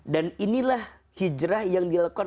dan inilah hijrah yang dilakukan